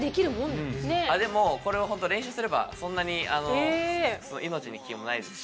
でもこれは練習すればそんなに命に危険もないですし。